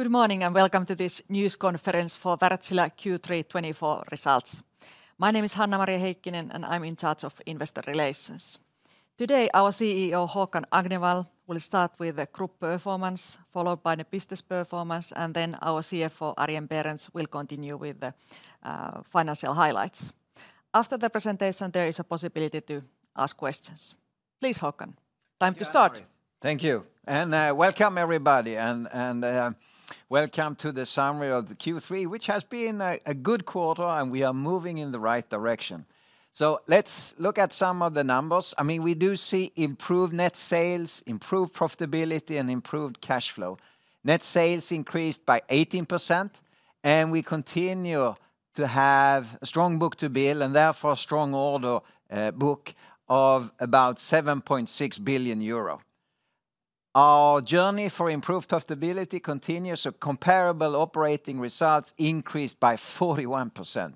Good morning, and welcome to this news conference for Wärtsilä Q3 2024 results. My name is Hanna-Maria Heikkinen, and I'm in charge of investor relations. Today, our CEO, Håkan Agnevall, will start with the group performance, followed by the business performance, and then our CFO, Arjen Berends, will continue with the financial highlights. After the presentation, there is a possibility to ask questions. Please, Håkan, time to start. Thank you, and welcome, everybody, and welcome to the summary of the Q3, which has been a good quarter, and we are moving in the right direction. So let's look at some of the numbers. I mean, we do see improved net sales, improved profitability, and improved cash flow. Net sales increased by 18%, and we continue to have a strong book-to-bill, and therefore a strong order book of about 7.6 billion euro. Our journey for improved profitability continues, so comparable operating results increased by 41%.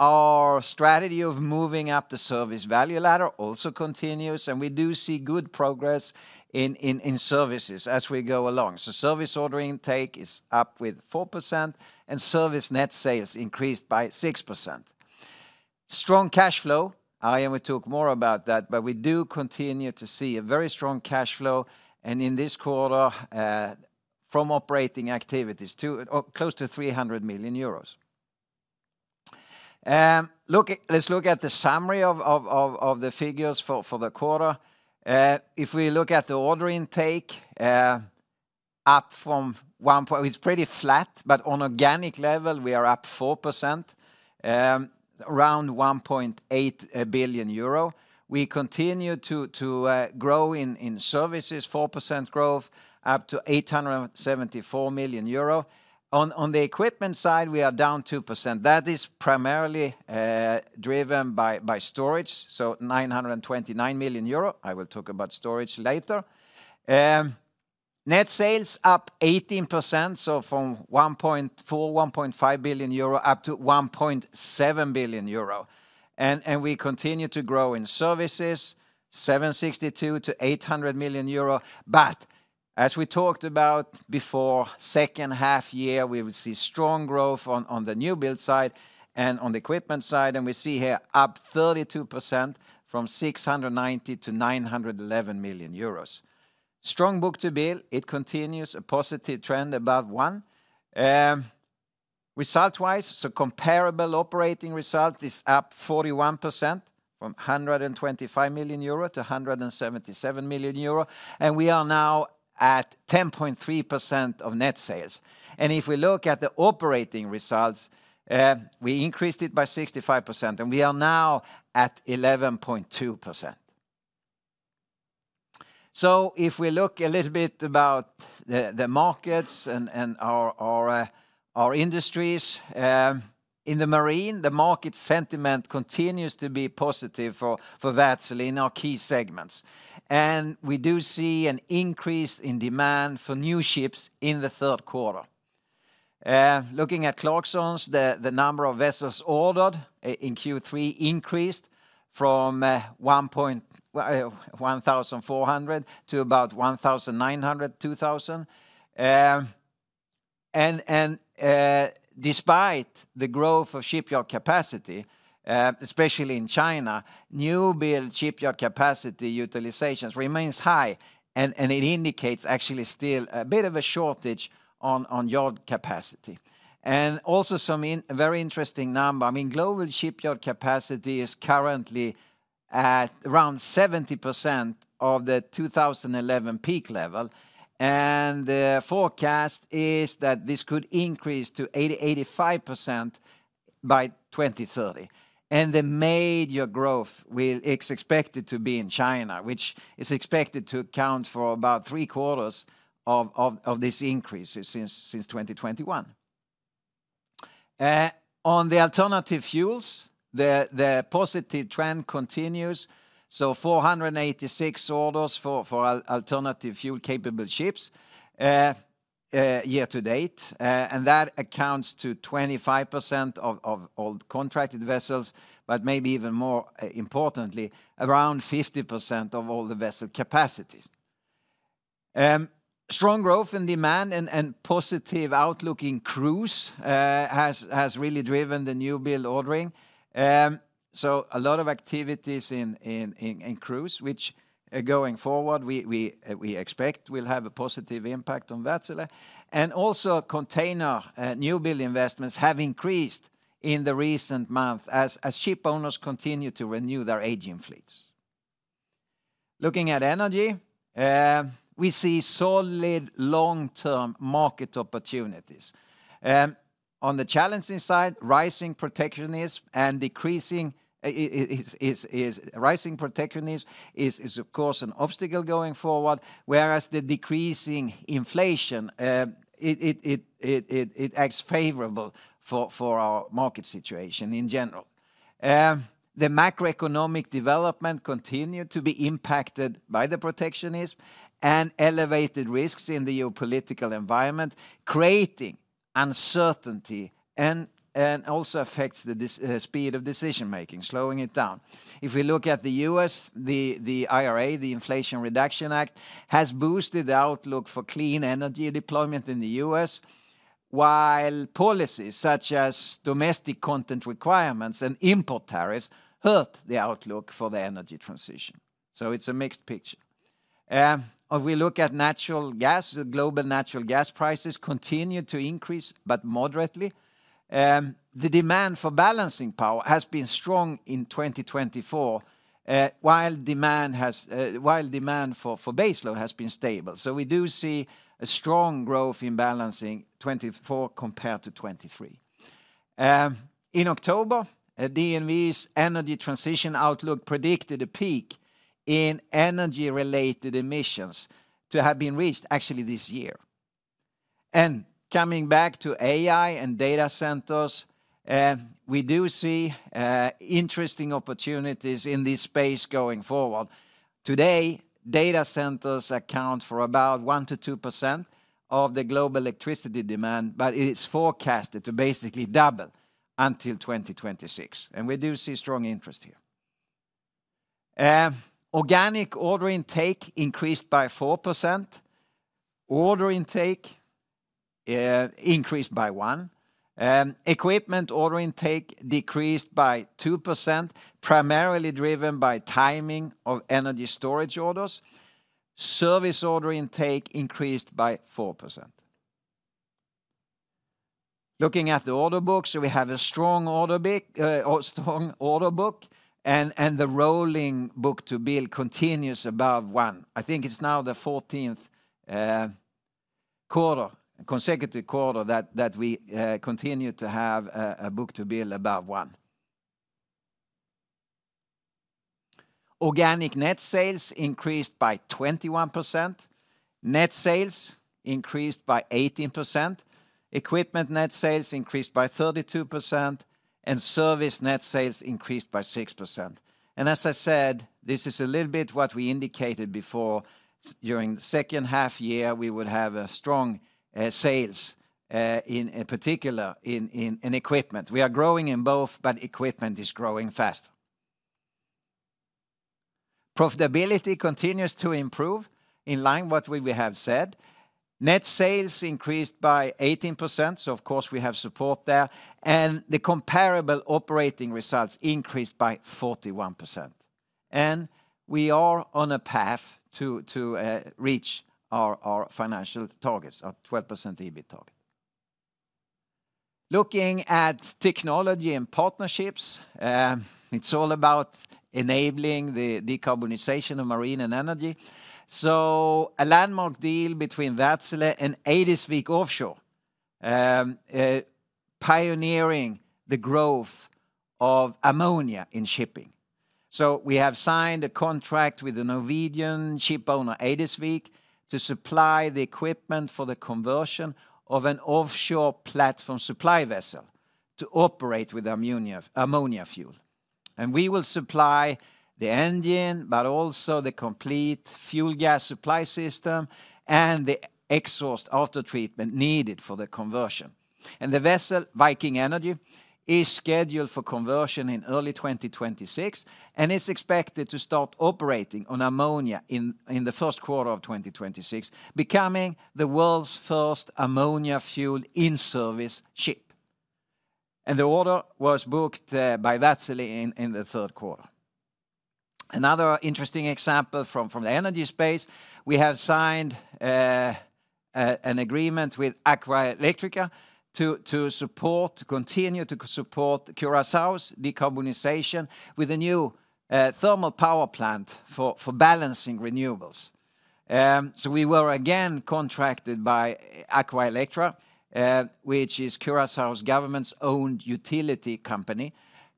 Our strategy of moving up the service value ladder also continues, and we do see good progress in services as we go along. So service order intake is up with 4%, and service net sales increased by 6%. Strong cash flow, I will talk more about that, but we do continue to see a very strong cash flow, and in this quarter, from operating activities to close to 300 million euros. Let's look at the summary of the figures for the quarter. If we look at the order intake, up from one point, it's pretty flat, but on organic level, we are up 4%, around 1.8 billion euro. We continue to grow in services, 4% growth, up to 874 million euro. On the equipment side, we are down 2%. That is primarily driven by storage, so 929 million euro. I will talk about storage later. Net sales up 18%, so from 1.4-1.5 billion euro up to 1.7 billion euro, and we continue to grow in services, 762 million-800 million euro. But as we talked about before, second half year, we will see strong growth on the newbuild side and on the equipment side, and we see here up 32% from 690 million-911 million euros. Strong book-to-bill, it continues a positive trend above one. Result-wise, so comparable operating result is up 41%, from 125 million-177 million euro, and we are now at 10.3% of net sales. If we look at the operating results, we increased it by 65%, and we are now at 11.2%. So if we look a little bit about the markets and our industries in the marine, the market sentiment continues to be positive for Wärtsilä in our key segments. And we do see an increase in demand for new ships in the Q3. Looking at Clarksons, the number of vessels ordered in Q3 increased from 1,400 to about 1,900, 2,000. And despite the growth of shipyard capacity, especially in China, newbuild shipyard capacity utilization remains high, and it indicates actually still a bit of a shortage on yard capacity. And also some very interesting number, I mean, global shipyard capacity is currently at around 70% of the 2011 peak level, and the forecast is that this could increase to 80%-85% by 2030. And the major growth is expected to be in China, which is expected to account for about three quarters of this increase since 2021. On the alternative fuels, the positive trend continues, so 486 orders for alternative fuel-capable ships year to date, and that accounts to 25% of all contracted vessels, but maybe even more importantly, around 50% of all the vessel capacities. Strong growth in demand and positive outlook in cruise has really driven the new build ordering. So a lot of activities in cruise, which going forward we expect will have a positive impact on Wärtsilä. And also, container new build investments have increased in the recent month as ship owners continue to renew their aging fleets. Looking at energy, we see solid long-term market opportunities. On the challenging side, rising protectionism and decreasing inflation. Rising protectionism is, of course, an obstacle going forward, whereas the decreasing inflation acts favorable for our market situation in general. The macroeconomic development continued to be impacted by the protectionism and elevated risks in the geopolitical environment, creating uncertainty and also affects the speed of decision making, slowing it down. If we look at the U.S., the IRA, the Inflation Reduction Act, has boosted the outlook for clean energy deployment in the U.S., while policies such as domestic content requirements and import tariffs hurt the outlook for the energy transition. So it's a mixed picture. If we look at natural gas, the global natural gas prices continue to increase, but moderately. The demand for balancing power has been strong in 2024, while demand for baseload has been stable. So we do see a strong growth in balancing 2024 compared to 2023. In October, DNV's Energy Transition Outlook predicted a peak in energy-related emissions to have been reached actually this year. Coming back to AI and data centers, we do see interesting opportunities in this space going forward. Today, data centers account for about 1%-2% of the global electricity demand, but it is forecasted to basically double until 2026, and we do see strong interest here. Organic order intake increased by 4%. Order intake increased by 1%. Equipment order intake decreased by 2%, primarily driven by timing of energy storage orders. Service order intake increased by 4%. Looking at the order books, so we have a strong order book, and the rolling book-to-bill continues above one. I think it's now the fourteenth consecutive quarter that we continue to have a book-to-bill above one. Organic net sales increased by 21%. Net sales increased by 18%. Equipment net sales increased by 32%, and service net sales increased by 6%, and as I said, this is a little bit what we indicated before. During the second half year, we would have a strong sales in equipment. We are growing in both, but equipment is growing faster. Profitability continues to improve in line what we have said. Net sales increased by 18%, so of course, we have support there, and the comparable operating results increased by 41%. We are on a path to reach our financial targets, our 12% EBIT target. Looking at technology and partnerships, it's all about enabling the decarbonization of marine and energy. A landmark deal between Wärtsilä and Eidesvik Offshore, pioneering the growth of ammonia in shipping. We have signed a contract with the Norwegian shipowner, Eidesvik, to supply the equipment for the conversion of an offshore platform supply vessel to operate with ammonia fuel. We will supply the engine, but also the complete fuel gas supply system and the exhaust aftertreatment needed for the conversion. The vessel, Viking Energy, is scheduled for conversion in early 2026, and it's expected to start operating on ammonia in the Q1 of 2026, becoming the world's first ammonia-fueled in-service ship. The order was booked by Wärtsilä in the Q3. Another interesting example from the energy space, we have signed an agreement with Aqualectra to continue to support Curaçao's decarbonization with a new thermal power plant for balancing renewables. We were again contracted by Aqualectra, which is Curaçao's government-owned utility company,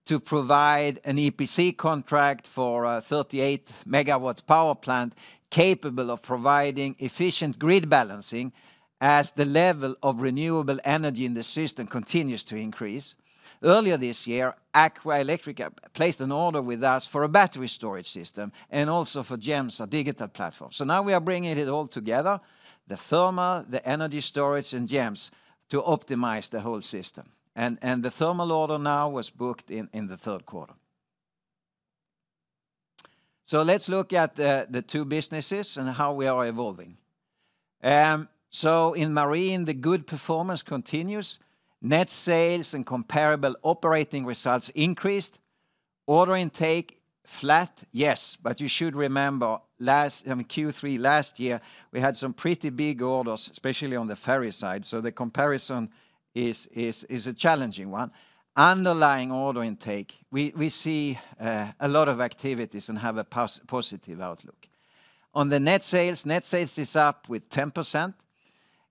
to provide an EPC contract for a 38MW power plant, capable of providing efficient grid balancing as the level of renewable energy in the system continues to increase. Earlier this year, Aqualectra placed an order with us for a battery storage system and also for GEMS, a digital platform. So now we are bringing it all together, the thermal, the energy storage, and GEMS, to optimize the whole system, and the thermal order now was booked in the Q3. So let's look at the two businesses and how we are evolving. So in Marine, the good performance continues. Net sales and comparable operating results increased. Order intake, flat, yes, but you should remember, Q3 last year, we had some pretty big orders, especially on the ferry side, so the comparison is a challenging one. Underlying order intake, we see a lot of activities and have a positive outlook. On the net sales, net sales is up with 10%,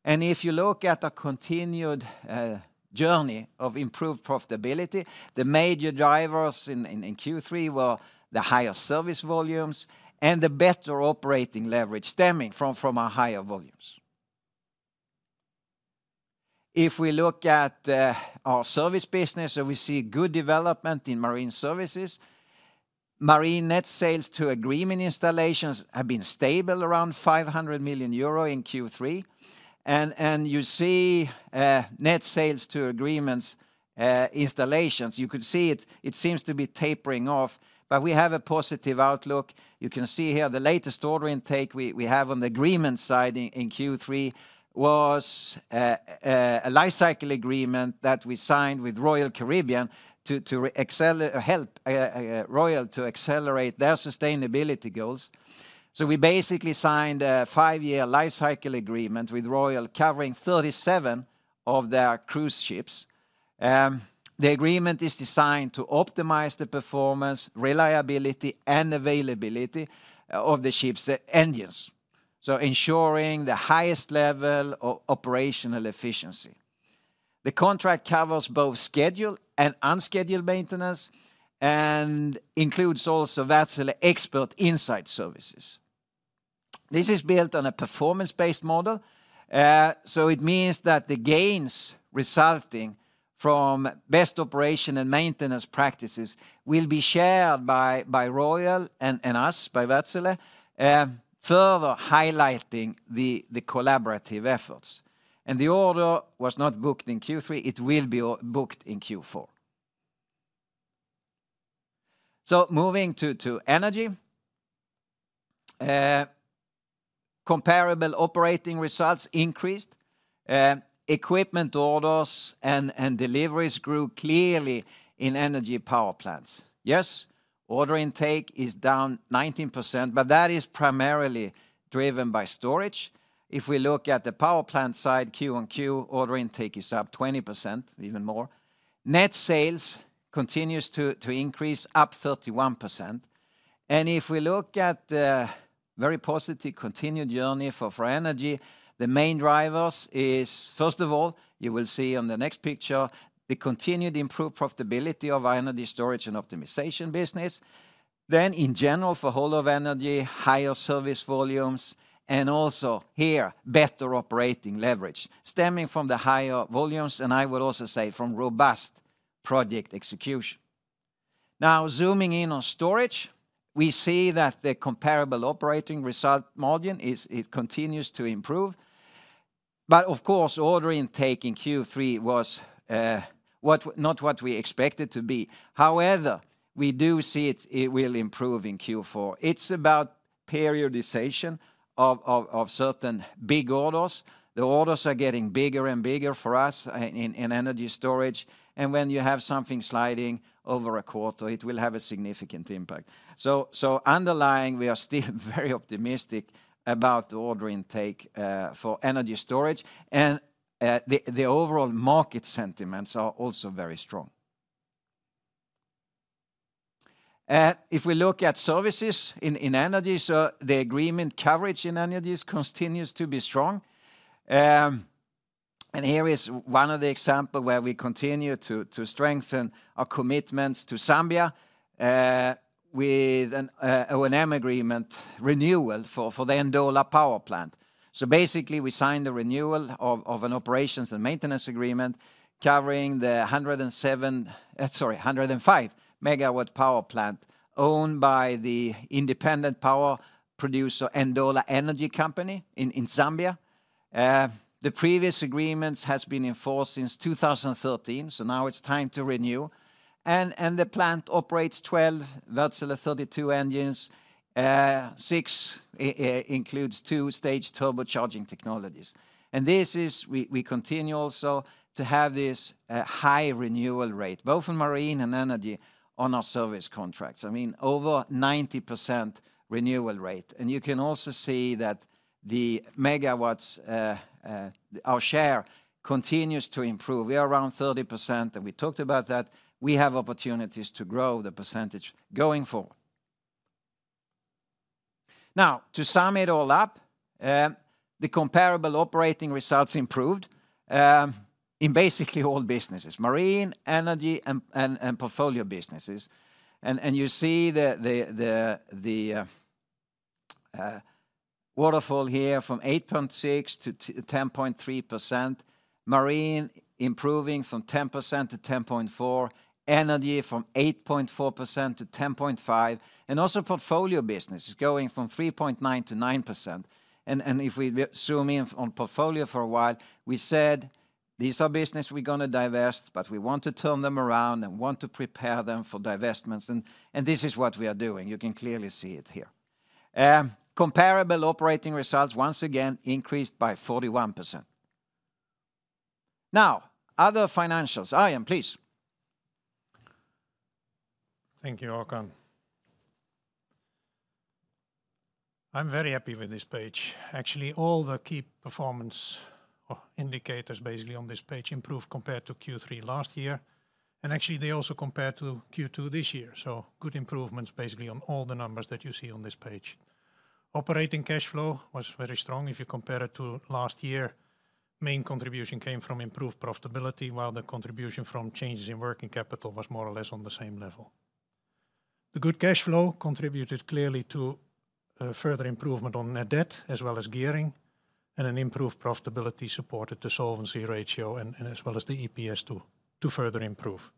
and if you look at a continued journey of improved profitability, the major drivers in Q3 were the higher service volumes and the better operating leverage stemming from our higher volumes. If we look at our service business, so we see good development in marine services. Marine net sales to agreement installations have been stable around 500 million euro in Q3. And you see net sales to agreements installations, you could see it, it seems to be tapering off, but we have a positive outlook. You can see here the latest order intake we have on the agreement side in Q3 was a life cycle agreement that we signed with Royal Caribbean to accelerate their sustainability goals. We basically signed a five-year lifecycle agreement with Royal, covering 37 of their cruise ships. The agreement is designed to optimize the performance, reliability, and availability of the ships' engines, so ensuring the highest level of operational efficiency. The contract covers both scheduled and unscheduled maintenance, and includes also Wärtsilä Expert Insight services. This is built on a performance-based model. So it means that the gains resulting from best operation and maintenance practices will be shared by Royal and us, by Wärtsilä, further highlighting the collaborative efforts. And the order was not booked in Q3, it will be booked in Q4. So moving to energy. Comparable operating results increased. Equipment orders and deliveries grew clearly in energy power plants. Yes, order intake is down 19%, but that is primarily driven by storage. If we look at the power plant side, quarter-on-quarter, order intake is up 20%, even more. Net sales continues to increase, up 31%. And if we look at the very positive continued journey for energy, the main drivers is, first of all, you will see on the next picture, the continued improved profitability of our energy storage and optimization business. Then in general, for whole of energy, higher service volumes, and also here, better operating leverage stemming from the higher volumes, and I would also say from robust project execution. Now, zooming in on storage, we see that the comparable operating result margin is. It continues to improve. But of course, order intake in Q3 was not what we expected to be. However, we do see it will improve in Q4. It's about periodization of certain big orders. The orders are getting bigger and bigger for us in energy storage, and when you have something sliding over a quarter, it will have a significant impact. So underlying, we are still very optimistic about the order intake for energy storage, and the overall market sentiments are also very strong. If we look at services in energy, so the agreement coverage in energy continues to be strong. And here is one of the example where we continue to strengthen our commitments to Zambia with an O&M agreement renewal for the Ndola Power Plant. So basically, we signed a renewal of an operations and maintenance agreement covering the 105MW power plant, owned by the independent power producer, Ndola Energy Company in Zambia. The previous agreements has been in force since two thousand and thirteen, so now it's time to renew. The plant operates twelve Wärtsilä 32 engines, includes two-stage turbocharging technologies. We continue also to have this high renewal rate, both in marine and energy on our service contracts. I mean, over 90% renewal rate. You can also see that the megawatts our share continues to improve. We are around 30%, and we talked about that. We have opportunities to grow the percentage going forward. Now, to sum it all up, the comparable operating results improved in basically all businesses: marine, energy, and portfolio businesses. You see the waterfall here from 8.6%-10.3%. Marine improving from 10%-10.4%, energy from 8.4%-10.5%, and also portfolio business is going from 3.9%-9%. And if we zoom in on portfolio for a while, we said these are business we're gonna divest, but we want to turn them around and want to prepare them for divestments, and this is what we are doing. You can clearly see it here. Comparable operating results, once again, increased by 41%. Now, other financials. Arjen, please. Thank you, Håkan. I'm very happy with this page. Actually, all the key performance indicators basically on this page improved compared to Q3 last year, and actually they also compared to Q2 this year. So good improvements basically on all the numbers that you see on this page. Operating cash flow was very strong if you compare it to last year. Main contribution came from improved profitability, while the contribution from changes in working capital was more or less on the same level. The good cash flow contributed clearly to a further improvement on net debt, as well as gearing, and an improved profitability supported the solvency ratio and as well as the EPS to further improve.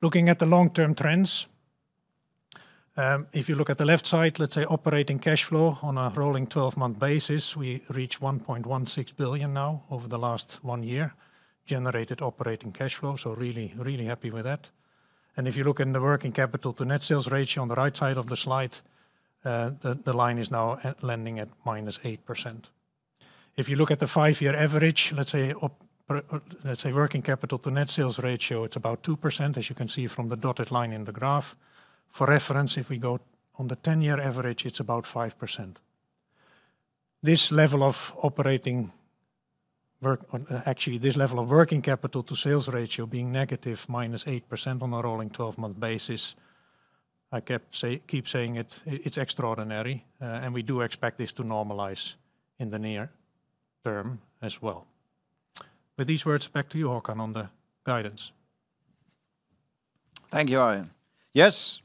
Looking at the long-term trends, if you look at the left side, let's say, operating cash flow on a rolling twelve-month basis, we reach 1.16 billion now over the last one year, generated operating cash flow, so really, really happy with that. If you look in the working capital to net sales ratio on the right side of the slide, the line is now at landing at -8%. If you look at the five-year average, let's say, working capital to net sales ratio, it's about 2%, as you can see from the dotted line in the graph. For reference, if we go on the 10-year average, it's about 5%. This level of working capital to sales ratio being negative -8% on a rolling twelve-month basis, I keep saying it, it's extraordinary, and we do expect this to normalize in the near term as well. With these words, back to you, Håkan, on the guidance. Thank you, Arjen. Yes,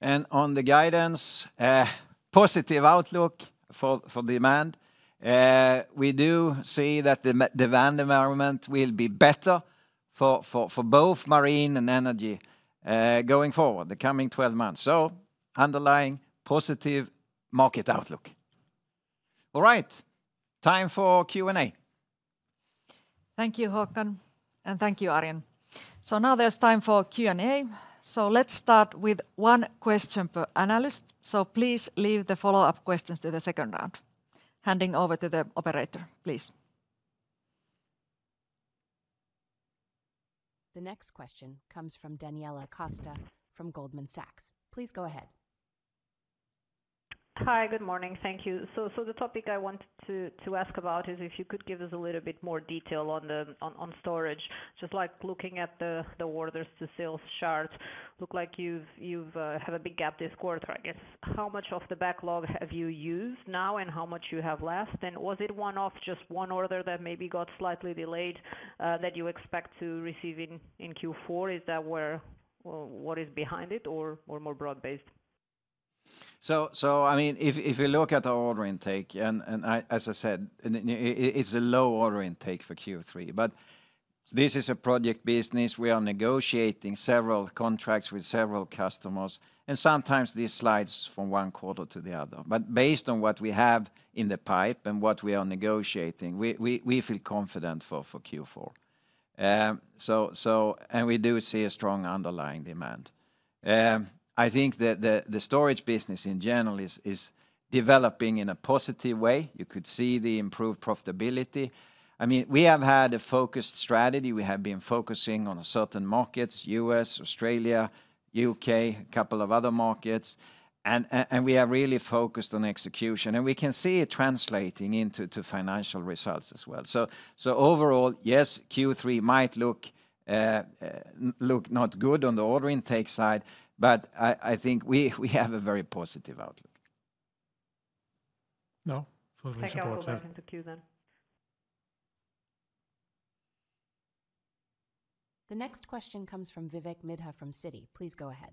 and on the guidance, a positive outlook for demand. We do see that the demand environment will be better for both marine and energy, going forward, the coming twelve months. So underlying positive market outlook. All right, time for Q&A. Thank you, Håkan, and thank you, Arjen. So now there's time for Q&A. So let's start with one question per analyst. So please leave the follow-up questions to the second round. Handing over to the operator, please. The next question comes from Daniela Costa from Goldman Sachs. Please go ahead. Hi, good morning. Thank you. So, the topic I wanted to ask about is if you could give us a little bit more detail on the storage. Just, like, looking at the orders to sales charts, look like you've had a big gap this quarter, I guess. How much of the backlog have you used now, and how much you have left? And was it one-off, just one order that maybe got slightly delayed that you expect to receive in Q4? What is behind it, or more broad-based? I mean, if you look at our order intake, and as I said, it's a low order intake for Q3. But this is a project business. We are negotiating several contracts with several customers, and sometimes this slides from one quarter to the other. But based on what we have in the pipeline and what we are negotiating, we feel confident for Q4. And we do see a strong underlying demand. I think that the storage business in general is developing in a positive way. You could see the improved profitability. I mean, we have had a focused strategy. We have been focusing on certain markets, U.S., Australia, U.K., a couple of other markets, and we are really focused on execution, and we can see it translating into financial results as well. So overall, yes, Q3 might look not good on the order intake side, but I think we have a very positive outlook. No, further support there. Thank you. I'll go back into queue then. The next question comes from Vivek Midha from Citi. Please go ahead.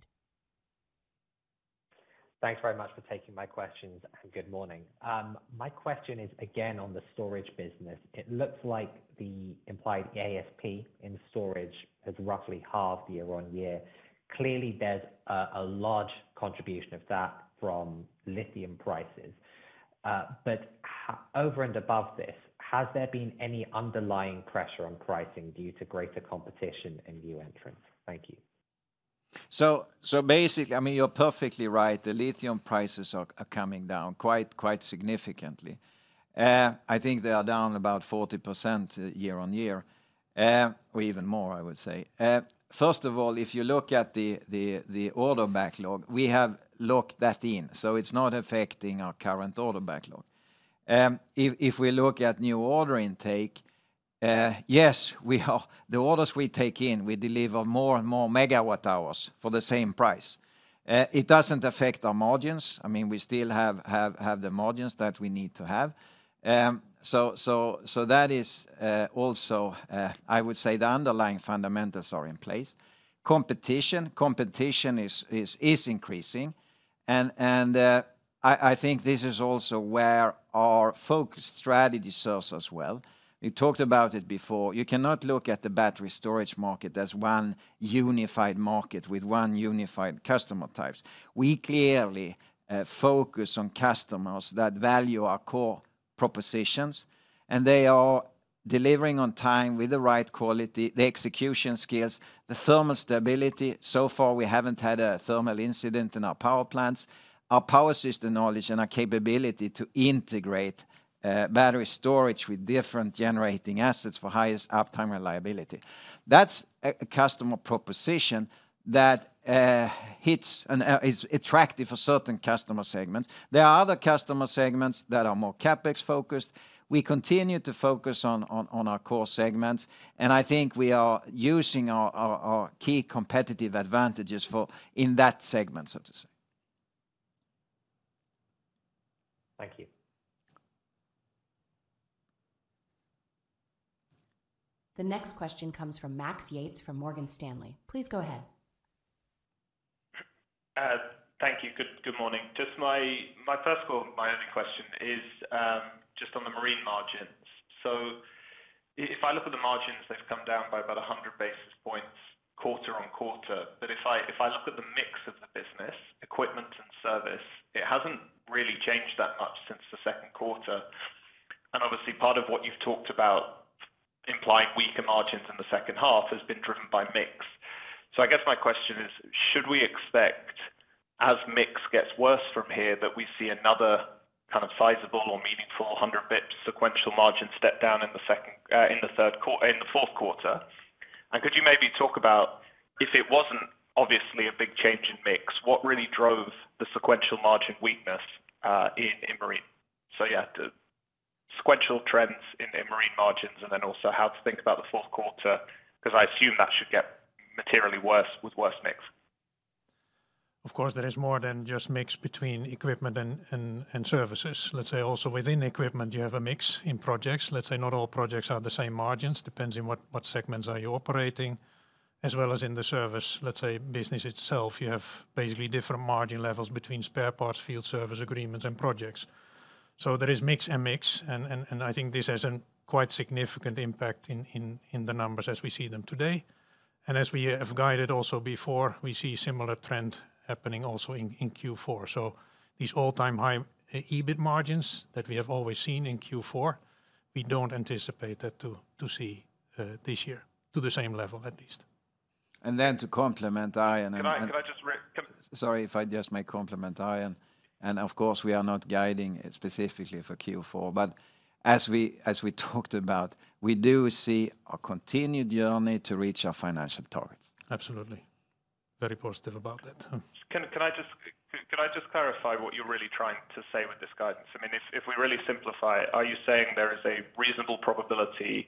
Thanks very much for taking my questions, and good morning. My question is, again, on the storage business. It looks like the implied ASP in storage has roughly halved year-on-year. Clearly, there's a large contribution of that from lithium prices. But over and above this, has there been any underlying pressure on pricing due to greater competition and new entrants? Thank you. So basically... I mean, you're perfectly right. The lithium prices are coming down quite significantly. I think they are down about 40% year-on-year, or even more, I would say. First of all, if you look at the order backlog, we have locked that in, so it's not affecting our current order backlog. If we look at new order intake, yes, we are the orders we take in, we deliver more and more megawatt-hours for the same price. It doesn't affect our margins. I mean, we still have the margins that we need to have. That is also, I would say the underlying fundamentals are in place. Competition is increasing, and I think this is also where our focus strategy serves us well. We talked about it before. You cannot look at the battery storage market as one unified market with one unified customer types. We clearly focus on customers that value our core propositions, and they are delivering on time with the right quality, the execution skills, the thermal stability. So far, we haven't had a thermal incident in our power plants. Our power system knowledge and our capability to integrate battery storage with different generating assets for highest uptime reliability. That's a customer proposition that hits and is attractive for certain customer segments. There are other customer segments that are more CapEx-focused. We continue to focus on our core segments, and I think we are using our key competitive advantages in that segment, so to say. Thank you. The next question comes from Max Yates from Morgan Stanley. Please go ahead. Thank you. Good morning. Just my first of all, my only question is, just on the marine margins. So if I look at the margins, they've come down by about 100 basis points quarter on quarter. But if I look at the mix of the business, equipment and service, it hasn't really changed that much since the Q2. And obviously, part of what you've talked about implying weaker margins in the second half has been driven by mix. So I guess my question is: Should we expect, as mix gets worse from here, that we see another kind of sizable or meaningful 100 basis points sequential margin step down in the Q4? And could you maybe talk about, if it wasn't obviously a big change in mix, what really drove the sequential margin weakness in marine? So yeah, the sequential trends in marine margins, and then also how to think about the Q4, 'cause I assume that should get materially worse with worse mix. Of course, there is more than just mix between equipment and services. Let's say also within equipment, you have a mix in projects. Let's say not all projects are the same margins, depends on what segments are you operating. As well as in the service, let's say, business itself, you have basically different margin levels between spare parts, field service agreements, and projects. So there is mix and mix, and I think this has a quite significant impact in the numbers as we see them today, and as we have guided also before, we see similar trend happening also in Q4, so these all-time high EBIT margins that we have always seen in Q4, we don't anticipate that to see this year, to the same level at least. If I just may compliment Arjen, and of course, we are not guiding it specifically for Q4. But as we talked about, we do see a continued journey to reach our financial targets. Absolutely. Very positive about that, huh? Can I just clarify what you're really trying to say with this guidance? I mean, if we really simplify it, are you saying there is a reasonable probability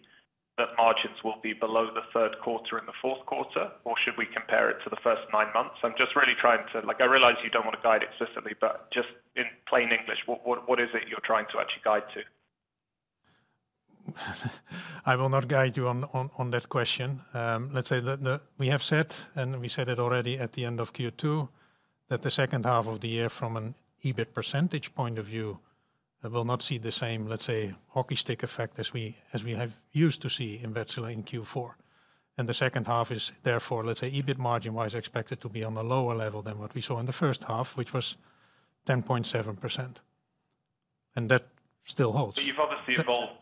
that margins will be below the Q3 and the Q4, or should we compare it to the first nine months? I'm just really trying to. Like, I realize you don't want to guide explicitly, but just in plain English, what is it you're trying to actually guide to? I will not guide you on that question. Let's say that we have said, and we said it already at the end of Q2, that the second half of the year, from an EBIT percentage point of view, will not see the same, let's say, hockey stick effect as we have used to see in Wärtsilä in Q4. And the second half is therefore, let's say, EBIT margin-wise, expected to be on a lower level than what we saw in the first half, which was 10.7%, and that still holds. But you've obviously evolved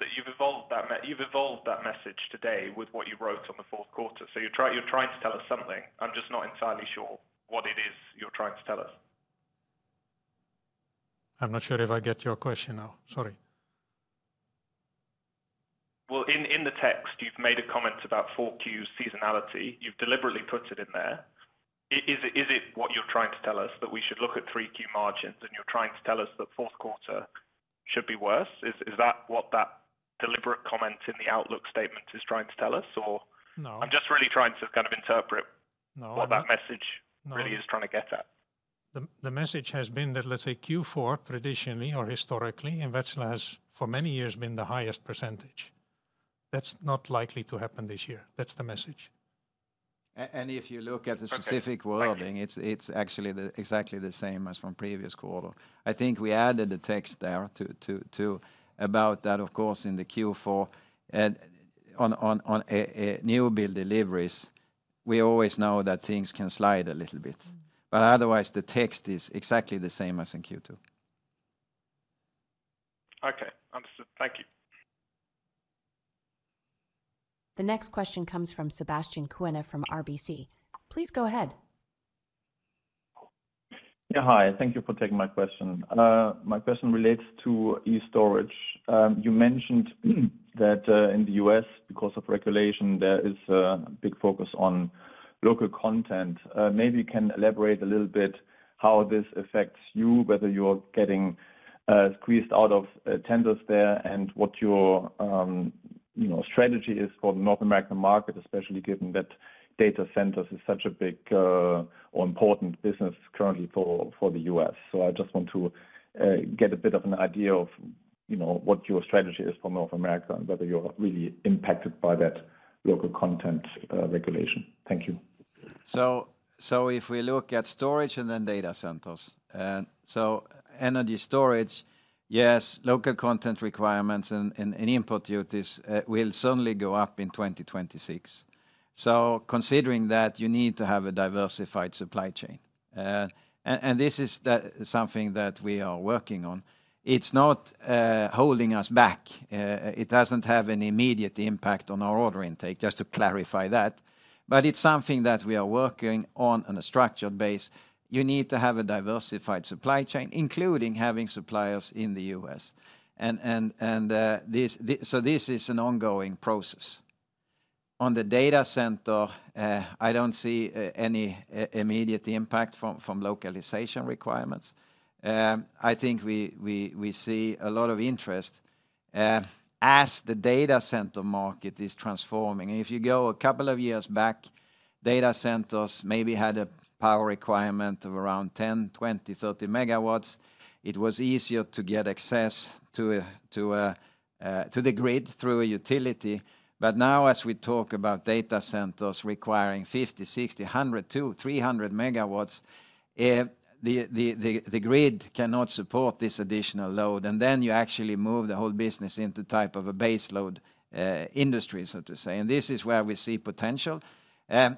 that message today with what you wrote on the Q4. So you're trying to tell us something. I'm just not entirely sure what it is you're trying to tell us. I'm not sure if I get your question now. Sorry. In the text, you've made a comment about Q4 seasonality. You've deliberately put it in there. Is it what you're trying to tell us that we should look at 3Q margins, and you're trying to tell us that Q4 should be worse? Is that what that deliberate comment in the outlook statement is trying to tell us or- No. I'm just really trying to kind of interpret what that message really is trying to get at. The message has been that, let's say, Q4, traditionally or historically, in Wärtsilä has for many years been the highest percentage. That's not likely to happen this year. That's the message. If you look at the specificwording, it's actually exactly the same as from previous quarter. I think we added the text there to about that, of course, in the Q4. On a new build deliveries, we always know that things can slide a little bit, but otherwise, the text is exactly the same as in Q2. Okay, understood. Thank you. The next question comes from Sebastian Kuenne from RBC. Please go ahead. Yeah, hi, thank you for taking my question. My question relates to E-storage. You mentioned that, in the U.S., because of regulation, there is a big focus on local content. Maybe you can elaborate a little bit how this affects you, whether you're getting squeezed out of tenders there, and what your, you know, strategy is for the North American market, especially given that data centers is such a big, or important business currently for the U.S. So I just want to get a bit of an idea of, you know, what your strategy is for North America and whether you're really impacted by that local content regulation. Thank you. So if we look at storage and then data centers. So energy storage, yes, local content requirements and import duties will certainly go up in 2026. So considering that, you need to have a diversified supply chain. And this is something that we are working on. It's not holding us back. It doesn't have an immediate impact on our order intake, just to clarify that. But it's something that we are working on on a structured base. You need to have a diversified supply chain, including having suppliers in the US. And this is an ongoing process. On the data center, I don't see any immediate impact from localization requirements. I think we see a lot of interest. As the data center market is transforming, and if you go a couple of years back, data centers maybe had a power requirement of around 10MW, 20MW, 30MW. It was easier to get access to the grid through a utility. But now, as we talk about data centers requiring 50MW, 60MW, 100MW, 200MW, 300MW, the grid cannot support this additional load, and then you actually move the whole business into type of a baseload industry, so to say, and this is where we see potential.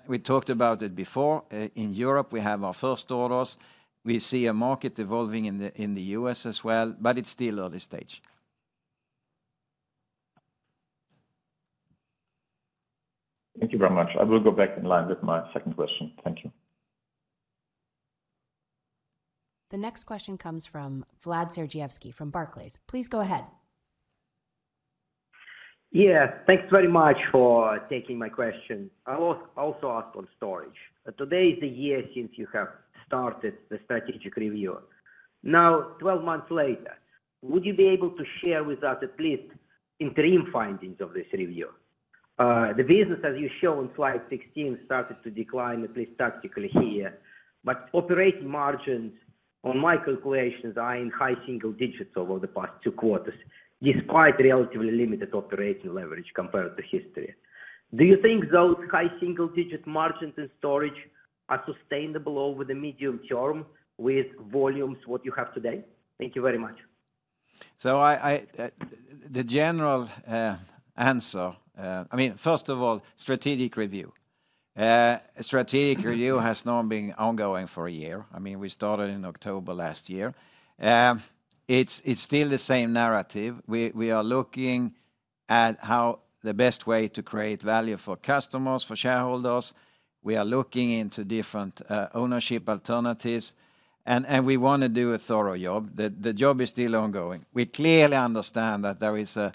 We talked about it before. In Europe, we have our first orders. We see a market evolving in the U.S. as well, but it's still early stage. Thank you very much. I will go back in line with my second question. Thank you. The next question comes from Vlad Sergievskiy from Barclays. Please go ahead. Yeah. Thanks very much for taking my question. I will also ask on storage. Today is a year since you have started the strategic review. Now, twelve months later, would you be able to share with us at least interim findings of this review? The business, as you show on slide sixteen, started to decline at least tactically here, but operating margins, on my calculations, are in high single digits over the past two quarters, despite relatively limited operating leverage compared to history. Do you think those high single-digit margins in storage are sustainable over the medium term with volumes what you have today? Thank you very much. I mean, first of all, strategic review has now been ongoing for a year. I mean, we started in October last year. It's still the same narrative. We are looking at how the best way to create value for customers, for shareholders. We are looking into different ownership alternatives, and we want to do a thorough job. The job is still ongoing. We clearly understand that there is a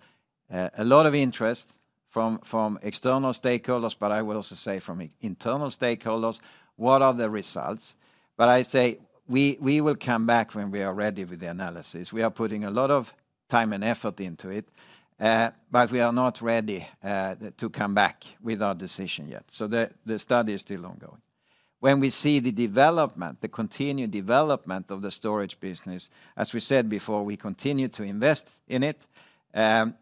lot of interest from external stakeholders, but I will also say from internal stakeholders, what are the results, but I say, we will come back when we are ready with the analysis. We are putting a lot of time and effort into it, but we are not ready to come back with our decision yet. The study is still ongoing. When we see the development, the continued development of the storage business, as we said before, we continue to invest in it.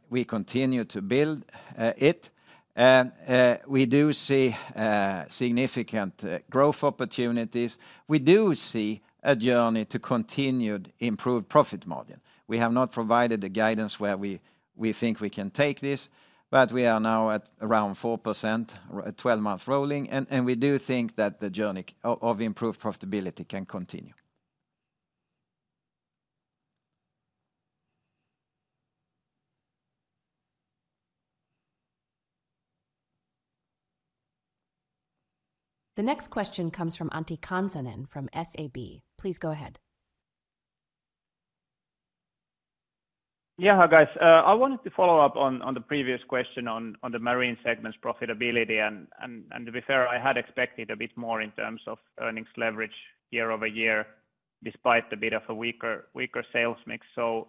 We continue to build it. We do see significant growth opportunities. We do see a journey to continued improved profit margin. We have not provided the guidance where we think we can take this, but we are now at around 4% twelve-month rolling, and we do think that the journey of improved profitability can continue. The next question comes from Antti Kansanen from SEB. Please go ahead. Yeah, hi, guys. I wanted to follow up on the previous question on the marine segment's profitability, and to be fair, I had expected a bit more in terms of earnings leverage year-over-year, despite the bit of a weaker sales mix. So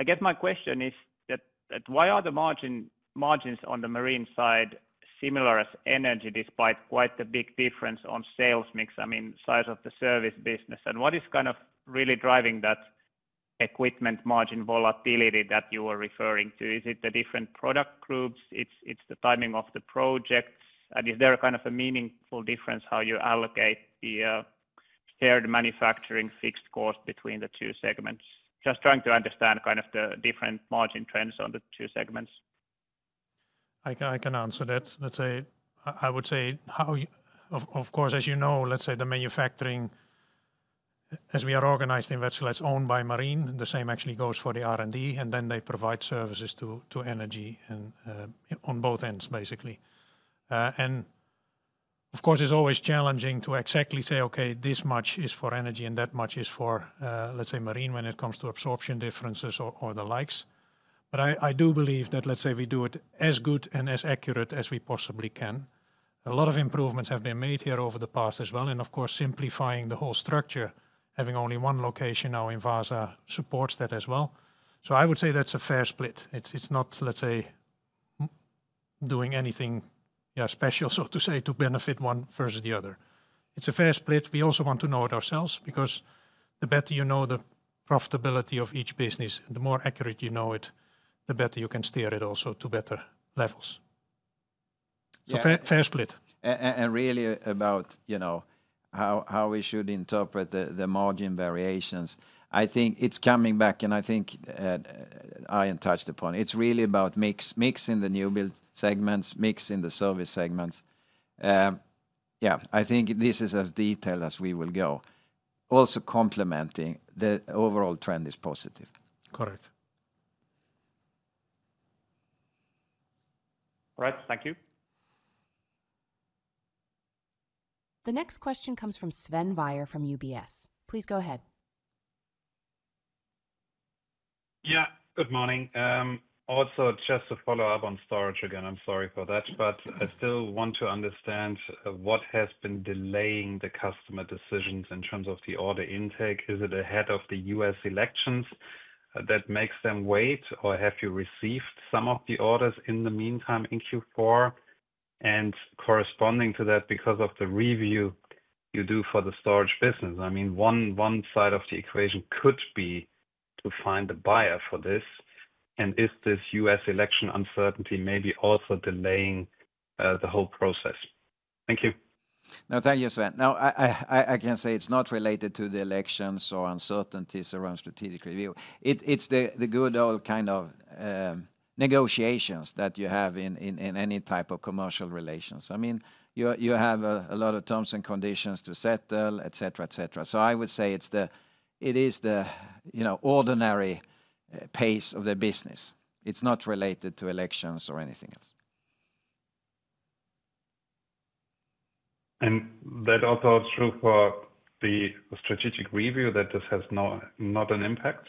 I guess my question is that why are the margins on the marine side similar as energy, despite quite the big difference on sales mix, I mean, size of the service business? And what is kind of really driving that equipment margin volatility that you were referring to? Is it the different product groups? Is it the timing of the projects? And is there a kind of a meaningful difference how you allocate the shared manufacturing fixed cost between the two segments? Just trying to understand kind of the different margin trends on the two segments. I can answer that. Let's say, I would say, of course, as you know, let's say the manufacturing, as we are organized in Wärtsilä, it's owned by Marine, and the same actually goes for the R&D, and then they provide services to Energy and on both ends, basically. And of course, it's always challenging to exactly say, "Okay, this much is for Energy, and that much is for, let's say Marine," when it comes to absorption differences or the likes. But I do believe that, let's say, we do it as good and as accurate as we possibly can. A lot of improvements have been made here over the past as well, and of course, simplifying the whole structure, having only one location now in Vaasa supports that as well. So I would say that's a fair split. It's not, let's say, doing anything special, so to say, to benefit one versus the other. It's a fair split. We also want to know it ourselves, because the better you know the profitability of each business, the more accurate you know it, the better you can steer it also to better levels. So fair split. And really about, you know, how we should interpret the margin variations, I think it's coming back, and I think Arjen touched upon it. It's really about mix in the new build segments, mix in the service segments. Yeah, I think this is as detailed as we will go. Also complementing, the overall trend is positive. Correct. All right. Thank you. The next question comes from Sven Weier from UBS. Please go ahead. Yeah, good morning. Also just to follow up on storage again, I'm sorry for that, but I still want to understand what has been delaying the customer decisions in terms of the order intake. Is it ahead of the U.S. elections that makes them wait, or have you received some of the orders in the meantime in Q4? And corresponding to that, because of the review you do for the storage business, I mean, one side of the equation could be to find a buyer for this. And is this U.S. election uncertainty maybe also delaying the whole process? Thank you. No, thank you, Sven. No, I can say it's not related to the elections or uncertainties around strategic review. It's the good old kind of negotiations that you have in any type of commercial relations. I mean, you have a lot of terms and conditions to settle, et cetera, et cetera. So I would say it is the, you know, ordinary pace of the business. It's not related to elections or anything else. That also true for the strategic review, that this has not an impact?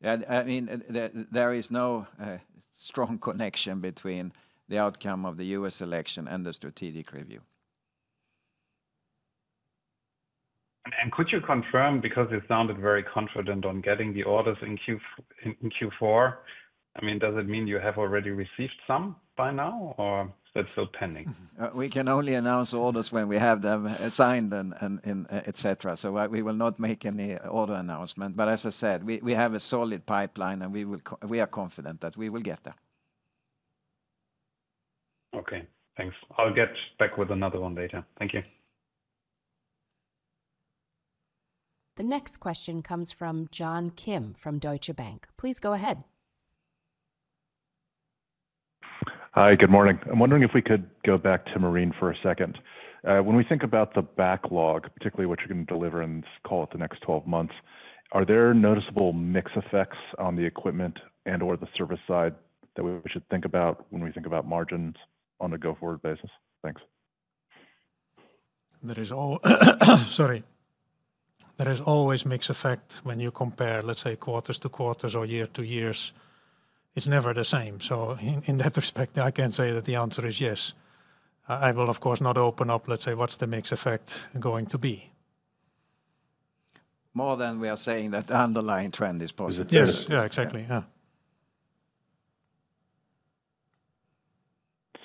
Yeah, I mean, there is no strong connection between the outcome of the U.S. election and the strategic review. Could you confirm, because it sounded very confident on getting the orders in Q4? I mean, does it mean you have already received some by now, or is that still pending? We can only announce orders when we have them signed and et cetera. So we will not make any order announcement. But as I said, we have a solid pipeline, and we are confident that we will get there. Okay, thanks. I'll get back with another one later. Thank you. The next question comes from John Kim from Deutsche Bank. Please go ahead. Hi, good morning. I'm wondering if we could go back to marine for a second. When we think about the backlog, particularly what you're going to deliver in, let's call it, the next twelve months, are there noticeable mix effects on the equipment and/or the service side that we should think about when we think about margins on a go-forward basis? Thanks. There is always mix effect when you compare, let's say, quarters to quarters or year-to-years. It's never the same. So in that respect, I can say that the answer is yes. I will, of course, not open up, let's say, what's the mix effect going to be? More than we are saying, that the underlying trend is positive. Yes. Yeah, exactly. Yeah.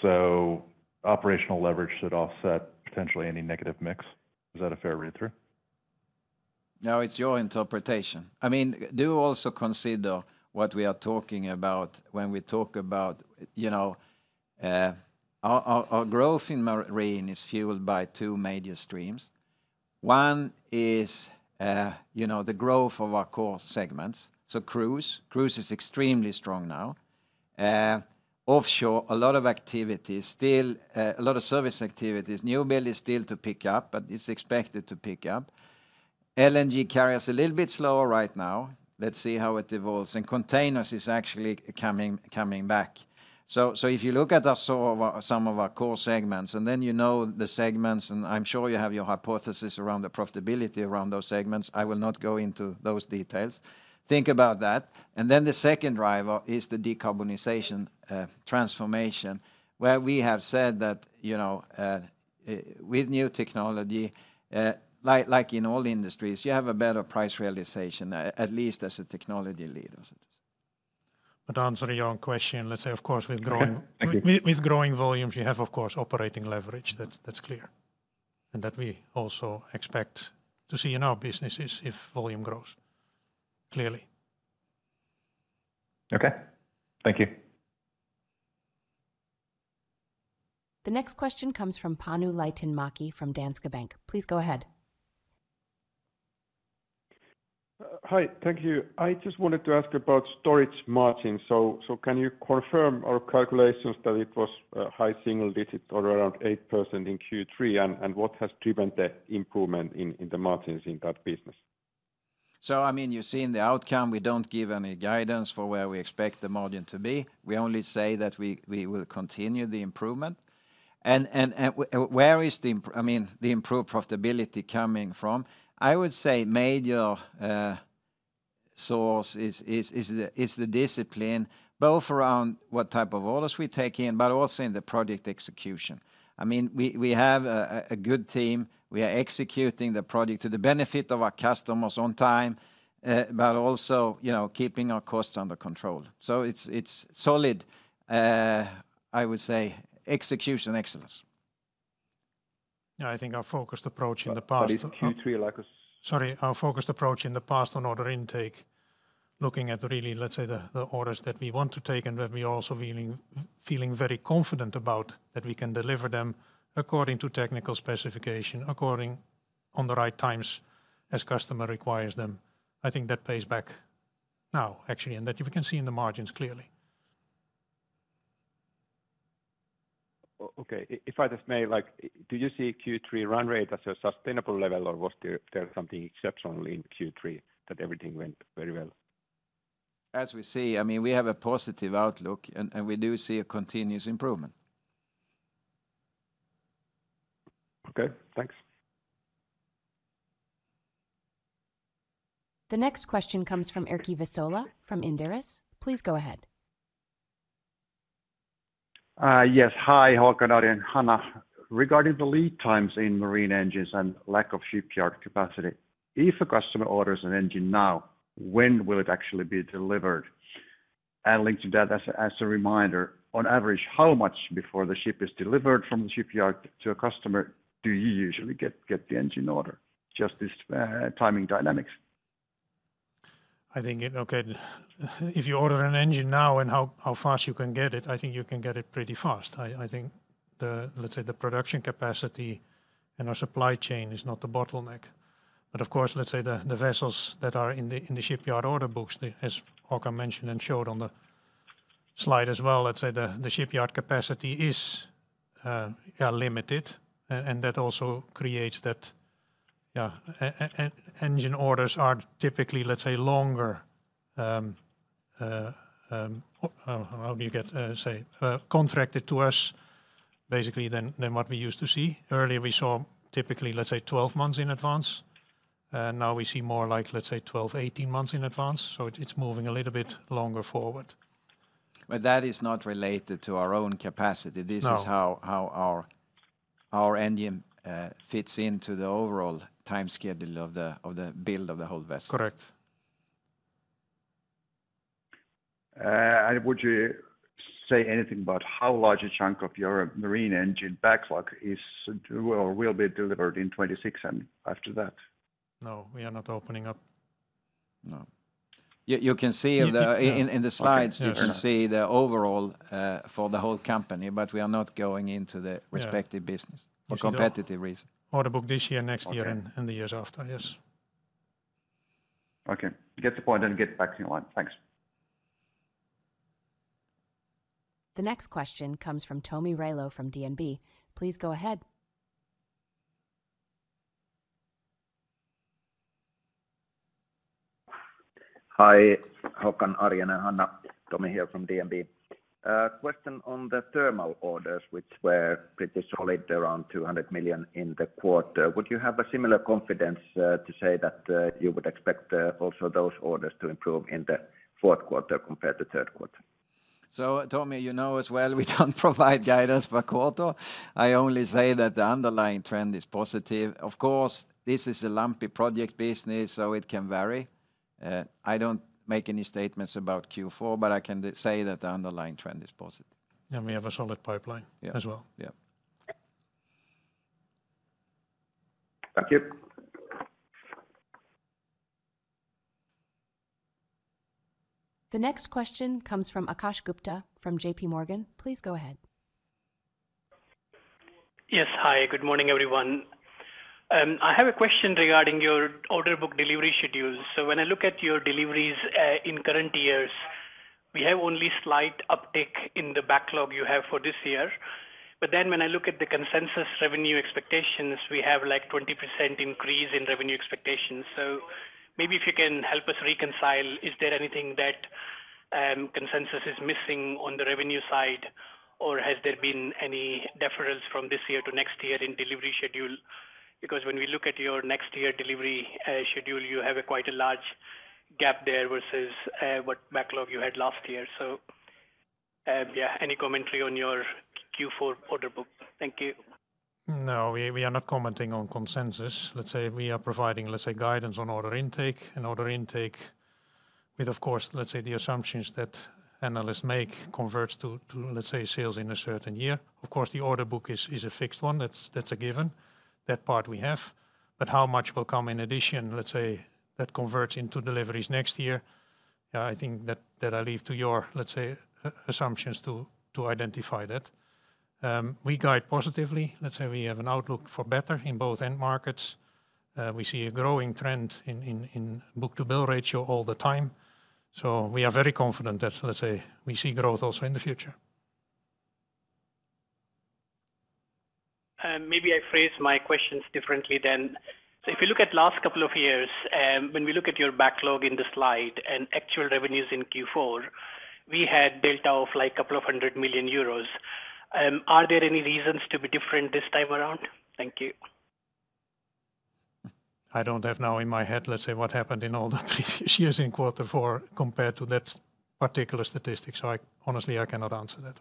So operational leverage should offset potentially any negative mix. Is that a fair read through? No, it's your interpretation. I mean, do also consider what we are talking about when we talk about, you know, our growth in marine is fueled by two major streams. One is, you know, the growth of our core segments. So cruise is extremely strong now. Offshore, a lot of activity, still, a lot of service activities. New build is still to pick up, but it's expected to pick up. LNG carriers, a little bit slower right now. Let's see how it evolves. And containers is actually coming back. So if you look at us, so of our, some of our core segments, and then you know the segments, and I'm sure you have your hypothesis around the profitability around those segments, I will not go into those details. Think about that. And then the second driver is the decarbonization transformation, where we have said that, you know, with new technology, like in all industries, you have a better price realization, at least as a technology leader. But to answer your own question, let's say, of course, with growing volumes, you have, of course, operating leverage. That's clear. And that we also expect to see in our businesses if volume grows, clearly. Okay, thank you. The next question comes from Panu Laitinmäki from Danske Bank. Please go ahead. Hi. Thank you. I just wanted to ask about storage margins. So, can you confirm our calculations that it was high single digit or around 8% in Q3, and what has driven the improvement in the margins in that business? I mean, you've seen the outcome. We don't give any guidance for where we expect the margin to be. We only say that we will continue the improvement, and where is the improved profitability coming from? I would say major source is the discipline, both around what type of orders we take in, but also in the project execution. I mean, we have a good team. We are executing the project to the benefit of our customers on time, but also, you know, keeping our costs under control. It's solid, I would say, execution excellence. Yeah, I think our focused approach in the past on order intake, looking at really, let's say, the orders that we want to take, and that we're also feeling very confident about, that we can deliver them according to technical specification, according to the right times, as customer requires them. I think that pays back now, actually, and that we can see in the margins clearly. Okay, if I just may, like, do you see Q3 run rate as a sustainable level, or was there something exceptional in Q3 that everything went very well? As we see, I mean, we have a positive outlook, and we do see a continuous improvement. Okay, thanks. The next question comes from Erkki Vesola, from Inderes. Please go ahead. Yes. Hi, Håkan, Arjen and Hanna. Regarding the lead times in marine engines and lack of shipyard capacity, if a customer orders an engine now, when will it actually be delivered? Linked to that, as a reminder, on average, how much before the ship is delivered from the shipyard to a customer do you usually get the engine order? Just this timing dynamics. I think, okay, if you order an engine now and how fast you can get it, I think you can get it pretty fast. I think the production capacity and our supply chain is not the bottleneck. But of course, let's say the vessels that are in the shipyard order books, as Håkan mentioned and showed on the slide as well, let's say the shipyard capacity is, yeah, limited. And that also creates that, yeah, engine orders are typically, let's say, longer contracted to us, basically, than what we used to see. Earlier, we saw typically, let's say, 12 months in advance, and now we see more like, let's say, 12-18 months in advance. So it is moving a little bit longer forward. But that is not related to our own capacity. No. This is how our engine fits into the overall time schedule of the build of the whole vessel. Correct. And would you say anything about how large a chunk of your marine engine backlog is, or will be delivered in 2026 and after that? No, we are not opening up. No. You can see in the slides you can see the overall for the whole company, but we are not going into the respective businesses for competitive reasons. Order book this year, next year and the years after. Yes. Okay. Get the point and get back in line. Thanks. The next question comes from Tomi Railo from DNB. Please go ahead. Hi, Håkan, Arjen, and Hanna. Tomi here from DNB. Question on the thermal orders, which were pretty solid, around 200 million in the quarter. Would you have a similar confidence to say that you would expect also those orders to improve in the Q4 compared to Q3? So, Tomi, you know as well, we don't provide guidance by quarter. I only say that the underlying trend is positive. Of course, this is a lumpy project business, so it can vary. I don't make any statements about Q4, but I can say that the underlying trend is positive. And we have a solid pipeline as well. Yeah. Thank you. The next question comes from Akash Gupta from JPMorgan. Please go ahead. Yes. Hi, good morning, everyone. I have a question regarding your order book delivery schedules. So when I look at your deliveries in current years, we have only slight uptick in the backlog you have for this year. But then when I look at the consensus revenue expectations, we have, like, 20% increase in revenue expectations. So maybe if you can help us reconcile, is there anything that consensus is missing on the revenue side, or has there been any deference from this year to next year in delivery schedule? Because when we look at your next year delivery schedule, you have a quite a large gap there versus what backlog you had last year. So, yeah, any commentary on your Q4 order book? Thank you. No, we are not commenting on consensus. Let's say we are providing, let's say, guidance on order intake, and order intake with, of course, let's say, the assumptions that analysts make converts to, let's say, sales in a certain year. Of course, the order book is a fixed one. That's a given. That part we have. But how much will come in addition, let's say, that converts into deliveries next year? I think that I leave to your, let's say, assumptions to identify that. We guide positively. Let's say we have an outlook for better in both end markets. We see a growing trend in book-to-bill ratio all the time, so we are very confident that, let's say, we see growth also in the future. Maybe I phrased my questions differently then, so if you look at last couple of years, when we look at your backlog in the slide and actual revenues in Q4, we had delta of, like, couple of 100 million euros. Are there any reasons to be different this time around? Thank you. I don't have now in my head, let's say, what happened in all the previous years in quarter four compared to that particular statistic, honestly, I cannot answer that.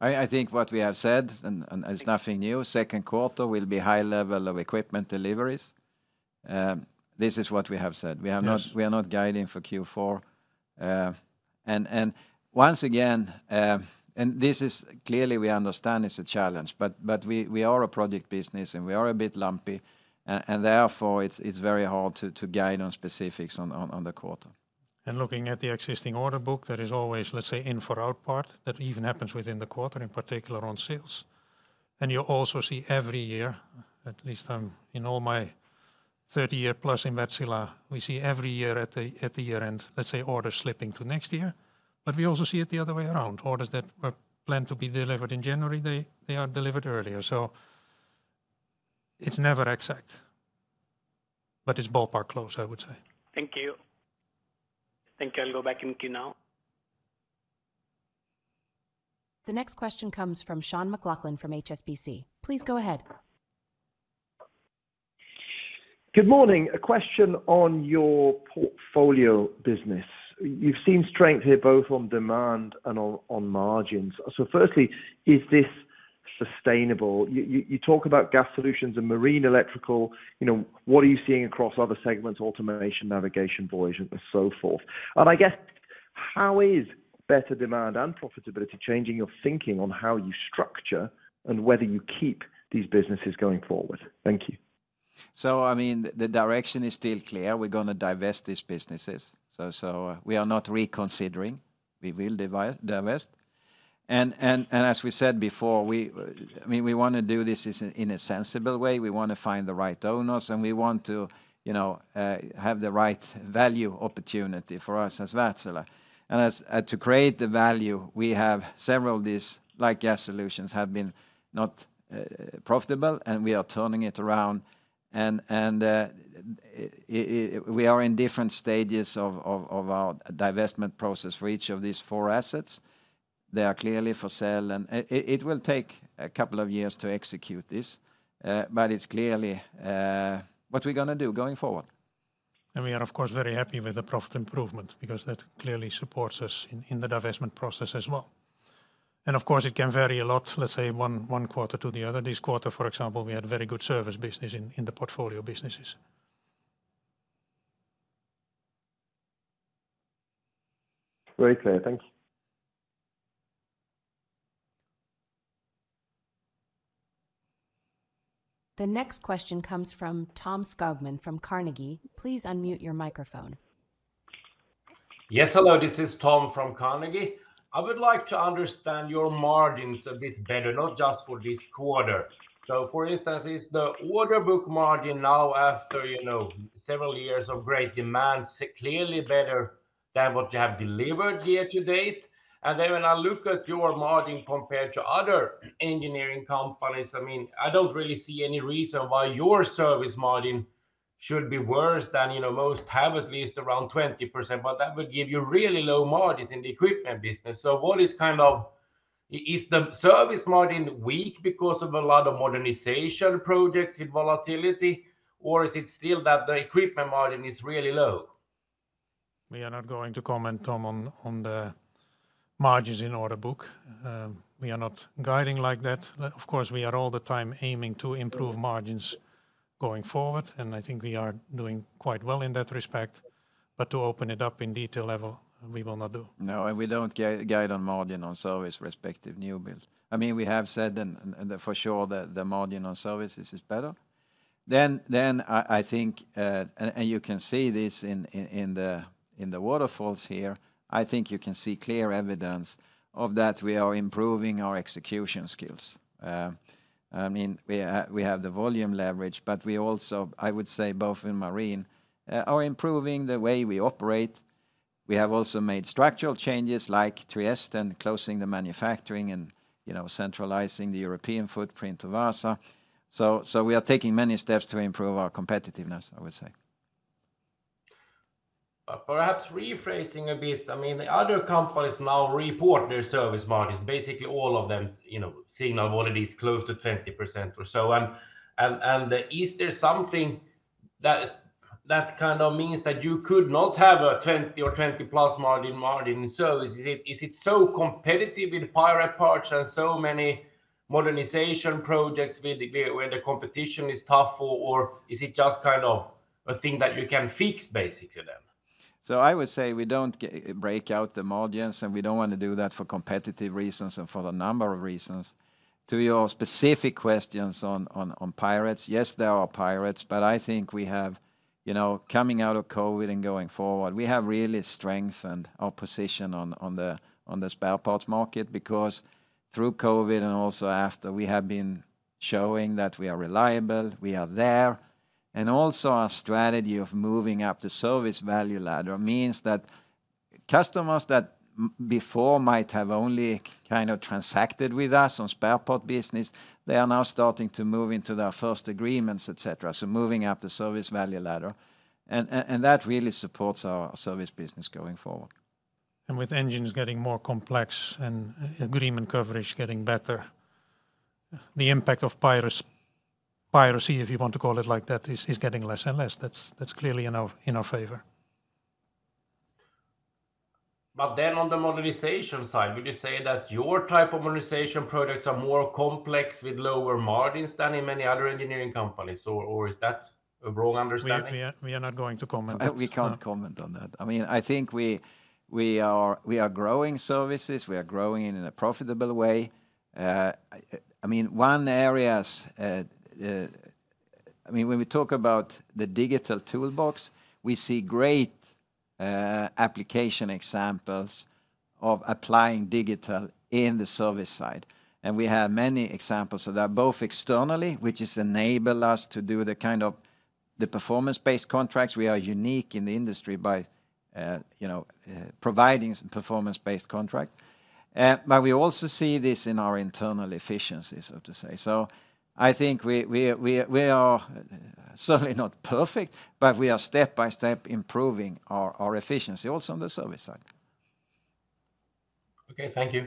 No. I think what we have said, and it's nothing new, Q2 will be high level of equipment deliveries. This is what we have said. Yes. We are not, we are not guiding for Q4, and once again, this is clearly we understand it's a challenge, but we are a project business, and we are a bit lumpy, and therefore, it's very hard to guide on specifics on the quarter. And looking at the existing order book, there is always, let's say, in for out part, that even happens within the quarter, in particular on sales. And you also see every year, at least, in all my thirty-year plus in Wärtsilä, we see every year at the year-end, let's say, orders slipping to next year. But we also see it the other way around, orders that were planned to be delivered in January, they are delivered earlier. So it's never exact, but it's ballpark close, I would say. Thank you. I think I'll go back in queue now. The next question comes from Sean McLoughlin from HSBC. Please go ahead. Good morning. A question on your portfolio business. You've seen strength here, both on demand and on margins. So firstly, is this sustainable? You talk about gas solutions and marine electrical, you know, what are you seeing across other segments, automation, navigation, voyage, and so forth? And I guess, how is better demand and profitability changing your thinking on how you structure, and whether you keep these businesses going forward? Thank you. I mean, the direction is still clear. We're gonna divest these businesses. We are not reconsidering. We will divest, and as we said before, we, I mean, we want to do this in a sensible way. We want to find the right owners, and we want to, you know, have the right value opportunity for us as Wärtsilä, and as to create the value, we have several of these, like gas solutions, have been not profitable, and we are turning it around, and we are in different stages of our divestment process for each of these four assets. They are clearly for sale, and it will take a couple of years to execute this, but it's clearly what we're gonna do going forward. We are, of course, very happy with the profit improvement, because that clearly supports us in the divestment process as well. Of course, it can vary a lot, let's say, one quarter to the other. This quarter, for example, we had very good service business in the portfolio businesses. Very clear. Thank you. The next question comes from Tom Skogman from Carnegie. Please unmute your microphone. Yes, hello, this is Tom from Carnegie. I would like to understand your margins a bit better, not just for this quarter. So, for instance, is the order book margin now after, you know, several years of great demand, clearly better than what you have delivered year to date? And then when I look at your margin compared to other engineering companies, I mean, I don't really see any reason why your service margin should be worse than, you know, most have at least around 20%, but that would give you really low margins in the equipment business. Is the service margin weak because of a lot of modernization projects in volatility, or is it still that the equipment margin is really low? We are not going to comment, Tom, on the margins in order book. We are not guiding like that. Of course, we are all the time aiming to improve margins going forward, and I think we are doing quite well in that respect, but to open it up in detail level, we will not do. No, and we don't guide on margin on service respective new builds. I mean, we have said, and for sure, the margin on services is better. Then I think, and you can see this in the waterfalls here. I think you can see clear evidence of that we are improving our execution skills. I mean, we have the volume leverage, but we also, I would say, both in marine are improving the way we operate. We have also made structural changes like Trieste and closing the manufacturing and, you know, centralizing the European footprint of Vaasa. So we are taking many steps to improve our competitiveness, I would say. Perhaps rephrasing a bit, I mean, the other companies now report their service margins, basically all of them, you know, seeing already close to 20% or so, and is there something that kind of means that you could not have a 20 or 20+ margin in services? Is it so competitive with spare parts and so many modernization projects, where the competition is tough, or is it just kind of a thing that you can fix, basically, then? I would say we don't break out the margins, and we don't want to do that for competitive reasons and for a number of reasons. To your specific questions on pirates, yes, there are pirates, but I think we have, you know, coming out of COVID and going forward, we have really strengthened our position on the spare parts market, because through COVID and also after, we have been showing that we are reliable, we are there. And also, our strategy of moving up the service value ladder means that customers that before might have only kind of transacted with us on spare part business, they are now starting to move into their first agreements, et cetera, so moving up the service value ladder, and that really supports our service business going forward. With engines getting more complex and agreement coverage getting better, the impact of piracy, if you want to call it like that, is getting less and less. That's clearly in our favor. But then on the modernization side, would you say that your type of modernization products are more complex with lower margins than in many other engineering companies or is that a wrong understanding? We are not going to comment on that. We can't comment on that. I mean, I think we are growing services. We are growing in a profitable way. I mean, when we talk about the digital toolbox, we see great application examples of applying digital in the service side, and we have many examples of that, both externally, which has enabled us to do the kind of performance-based contracts. We are unique in the industry by, you know, providing performance-based contract, but we also see this in our internal efficiency, so to say, so I think we are certainly not perfect, but we are step by step improving our efficiency also on the service side. Okay, thank you.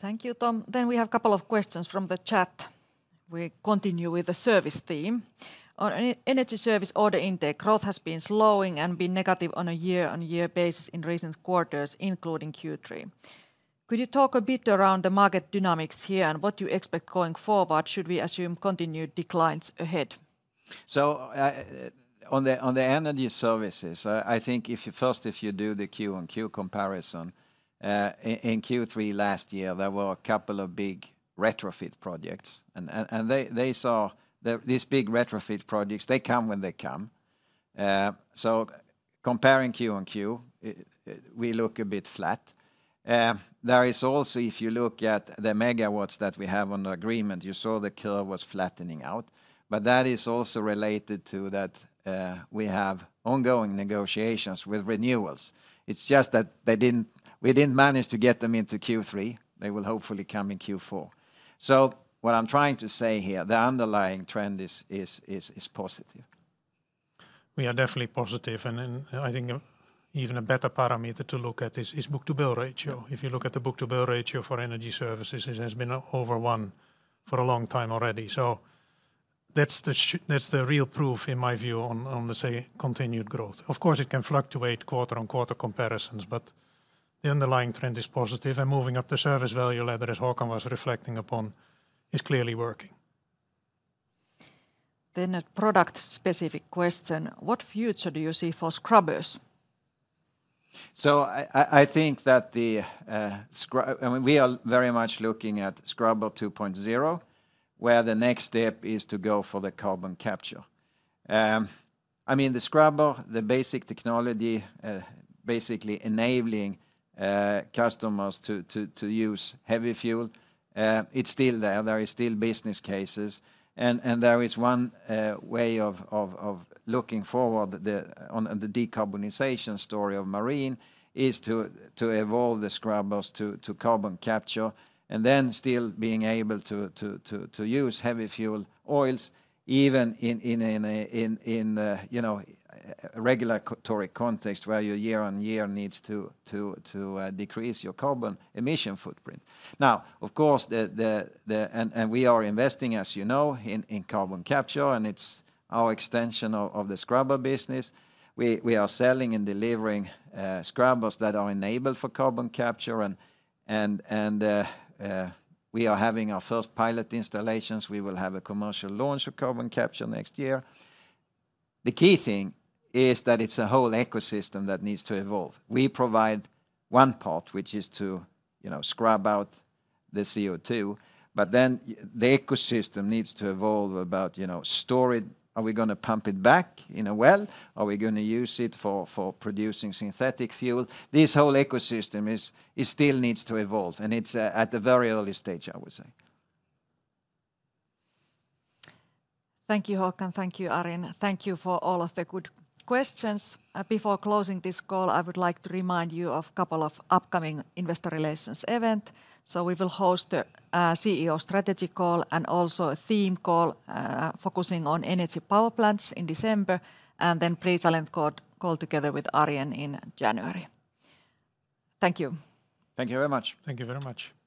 Thank you, Tom. Then we have a couple of questions from the chat. We continue with the service team. On energy service order intake, growth has been slowing and been negative on a year-on-year basis in recent quarters, including Q3. Could you talk a bit around the market dynamics here, and what you expect going forward? Should we assume continued declines ahead? So, on the energy services, I think if you do the quarter-on-quarter comparison, in Q3 last year, there were a couple of big retrofit projects, and they saw these big retrofit projects. They come when they come. So comparing quarter-on-quarter, we look a bit flat. There is also, if you look at the megawatts that we have on the agreement, you saw the curve was flattening out, but that is also related to that. We have ongoing negotiations with renewals. It's just that we didn't manage to get them into Q3. They will hopefully come in Q4. So what I'm trying to say here, the underlying trend is positive. We are definitely positive, and then I think even a better parameter to look at is book-to-bill ratio. If you look at the book-to-bill ratio for energy services, it has been over one for a long time already, so that's the real proof, in my view, on the, say, continued growth. Of course, it can fluctuate quarter-on-quarter comparisons, but the underlying trend is positive, and moving up the service value ladder, as Håkan was reflecting upon, is clearly working. Then a product-specific question, What future do you see for scrubbers? So I think that I mean, we are very much looking at Scrubber 2.0, where the next step is to go for the carbon capture. I mean, the scrubber, the basic technology, basically enabling customers to use heavy fuel, it's still there. There is still business cases, and there is one way of looking forward the on the decarbonization story of marine is to evolve the scrubbers to carbon capture, and then still being able to use heavy fuel oils even in you know, a regulatory context, where your year-on-year needs to decrease your carbon emission footprint. We are investing, as you know, in carbon capture, and it's our extension of the scrubber business. We are selling and delivering scrubbers that are enabled for carbon capture, and we are having our first pilot installations. We will have a commercial launch of carbon capture next year. The key thing is that it's a whole ecosystem that needs to evolve. We provide one part, which is to, you know, scrub out the CO2, but then the ecosystem needs to evolve about, you know, storage. Are we gonna pump it back in a well? Are we gonna use it for producing synthetic fuel? This whole ecosystem still needs to evolve, and it's at the very early stage, I would say. Thank you, Håkan. Thank you, Arjen. Thank you for all of the good questions. Before closing this call, I would like to remind you of couple of upcoming investor relations event. So we will host a CEO strategy call and also a theme call, focusing on energy power plants in December, and then pre-silent call together with Arjen in January. Thank you. Thank you very much. Thank you very much.